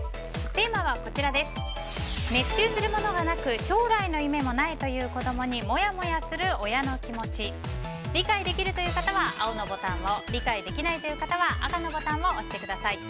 テーマは、熱中するものがなく将来の夢もないという子供にモヤモヤする親の気持ち理解できるという方は青のボタンを理解できないという方は赤のボタンを押してください。